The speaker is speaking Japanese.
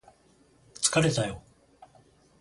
疲れたよ